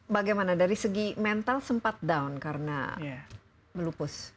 bagaimana dari segi mental sempat down karena melupus